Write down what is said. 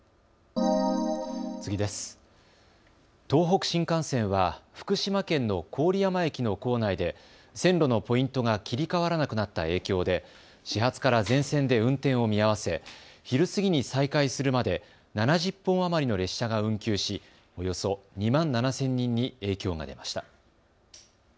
東北新幹線は福島県の郡山駅の構内で線路のポイントが切り替わらなくなった影響で始発から全線で運転を見合わせ、昼過ぎに再開するまで７０本余りの列車が運休しおよそ２万７０００人に影響が出ました。